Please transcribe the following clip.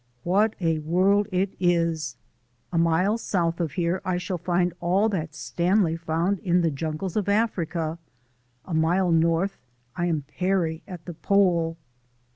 What a world it is! A mile south of here I shall find all that Stanley found in the jungles of Africa; a mile north I am Peary at the Pole!